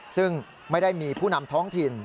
ซึ่งไม่ได้มีผู้นำท้องถิ่น